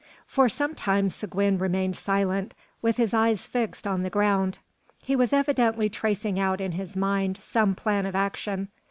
For some time Seguin remained silent, with his eyes fixed on the ground. He was evidently tracing out in his mind some plan of action.